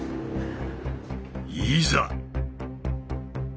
いざ！